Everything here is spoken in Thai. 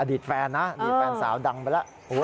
ตแฟนนะอดีตแฟนสาวดังไปแล้ว